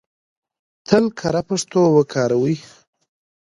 تل کره پښتو وکاروئ!